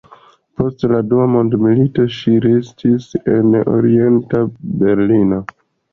Post la Dua mondmilito ŝi restis en Orienta Berlino.